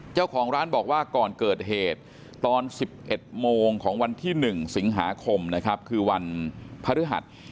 เจ้าของร้านบอกว่าก่อนเกิดเหตุตอน๑๑โมงของวันที่๑สิงหาคมนะครับคือวันพฤหัส